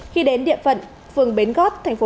khi đến địa phận phường bến gót thành phố